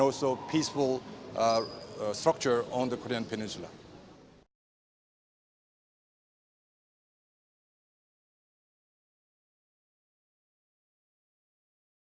dan juga struktur yang berdampak di peninsular korea